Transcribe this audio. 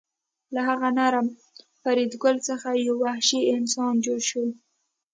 له هغه نرم فریدګل څخه یو وحشي انسان جوړ شو